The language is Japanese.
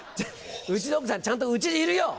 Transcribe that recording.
うちの奥さんちゃんとうちにいるよ！